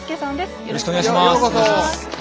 よろしくお願いします。